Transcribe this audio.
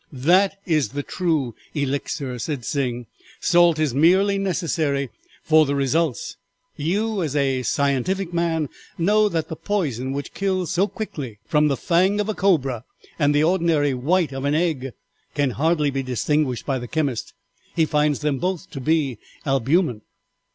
"'That is the true Elixir,' said Sing; 'salt is merely necessary for the results. You, as a scientific man, know that the poison which kills so quickly from the fang of a cobra and the ordinary white of an egg can hardly be distinguished by the chemist. He finds them both to be albumen.'